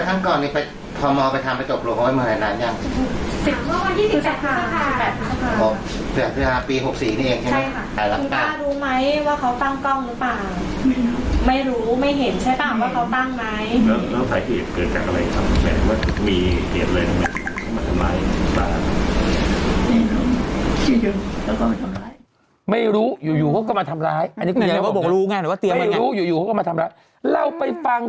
กั้นก่อนพ่อม้อไปทำตกหลวงเขาได้เมื่อยานานอย่าง